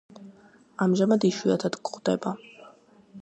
ამჟამად იშვიათად გვხვდება.